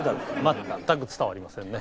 全く伝わりませんね。